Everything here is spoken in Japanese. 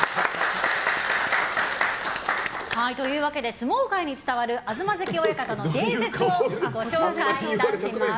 相撲界に伝わる東関親方の伝説をご紹介いたします。